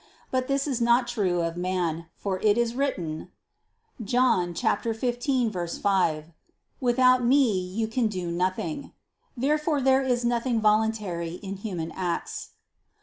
But this is not true of man; for it is written (John 15:5): "Without Me you can do nothing." Therefore there is nothing voluntary in human acts.